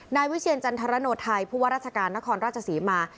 นายวิเชียรจันทรโนไทยผู้ว่าราชการนครราชศรีมา